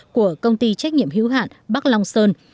của công ty trách nhiệm hữu hạn bắc long sơn